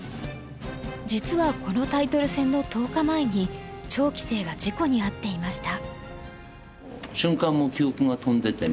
実はこのタイトル戦の１０日前に趙棋聖が事故に遭っていました。